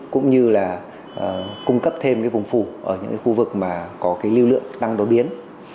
cũng như là cung cấp thêm cái vùng phủ ở những cái khu vực mà có cái lưu lượng tăng đột biến